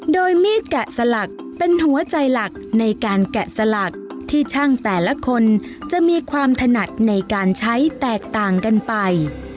โดยมีดแกะสลักเป็นหัวใจหลักในการแกะสลักที่ช่างแต่ละคนจะมีความถนัดในการใช้แตกต่างกันไป